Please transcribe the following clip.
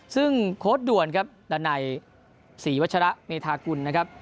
ซึ่งโค้ดด่วนครับดันัยศรีวัชระเมธากุลนะครับ